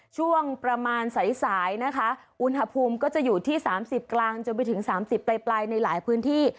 ช่วงประมาณสายนะคะอุณหภูมิก็จะอยู่ที่๓๐กลางจนไปถึง๓๐ปลายในหลายพื้นที่